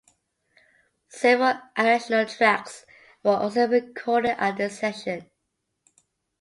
Several additional tracks were also recorded at this session.